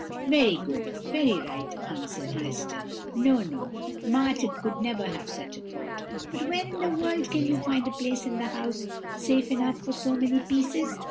"'Very good, very right,' answered Heister. 'No, no! Martin could never have such a thought. But where in the world can you find a place in the house safe enough for so many pieces?